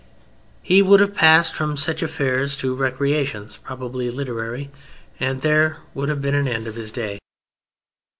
He would have passed from such affairs to recreations probably literary, and there would have been an end of his day.